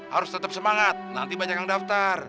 harus tetap semangat nanti banyak yang daftar